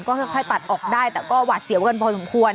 ก็ค่อยปัดออกได้แต่ก็หวาดเสียวกันพอสมควร